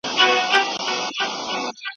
چي « منظور» به هم د قام هم د الله سي